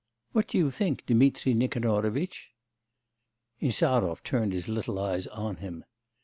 What do you think, Dmitri Nikanorovitch?' Insarov turned his little eyes on him.